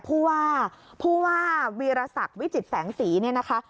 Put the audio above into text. ผู้ว่าผู้ว่าวีรศักดิ์วิจิตแสงสีเนี่ยนะคะ